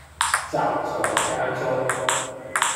宅在家中